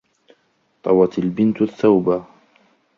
طَوَتْ الْبِنْتُ الثَّوْبَ.